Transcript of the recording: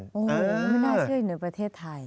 โอ้โหไม่น่าเชื่ออยู่ในประเทศไทย